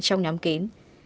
trong nhóm kín